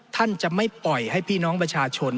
ท่านจะไม่ปล่อยให้พี่น้องประชาชน